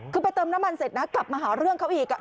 คือไปเติมน้ำมันเสร็จนะกลับมาหาเรื่องเขาอีก